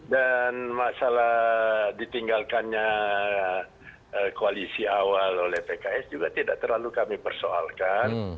dan masalah ditinggalkannya koalisi awal oleh pks juga tidak terlalu kami persoalkan